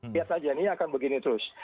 lihat saja ini akan begini terus